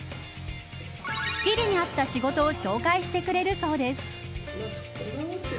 スキルに合った仕事を紹介してくれるそうです。